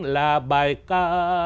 là bài ca